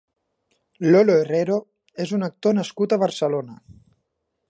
Lolo Herrero és un actor nascut a Barcelona.